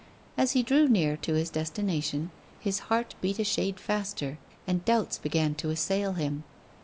As he drew near to his destination his heart beat a shade faster, and doubts began to assail him.